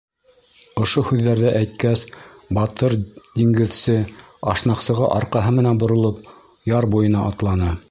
Ошо һүҙҙәрҙе әйткәс, батыр диңгеҙсе, ашнаҡсыға арҡаһы менән боролоп, яр буйына атланы.